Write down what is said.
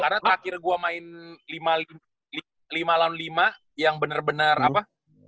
karena terakhir gue main lima x lima yang benar benar apa